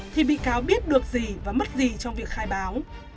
thì bị cáo biết được gì và mất gì trong việc khai báo